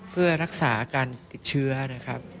เพื่อรักษาการติดเชื้อนะครับ